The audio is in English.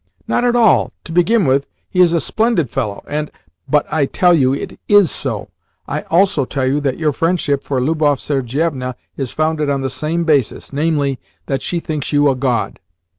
"Not at all! To begin with, he is a splendid fellow, and " "But I tell you it IS so. I also tell you that your friendship for Lubov Sergievna is founded on the same basis, namely, that she thinks you a god."